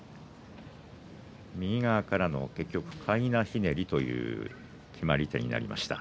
右側からのかいなひねりという決まり手となりました。